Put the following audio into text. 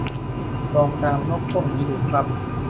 ลองตามนกพวกนี้ดูครับ